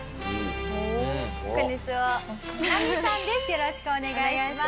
よろしくお願いします。